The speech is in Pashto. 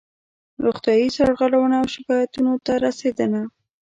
روغتیایي سرغړونو او شکایاتونو ته رسېدنه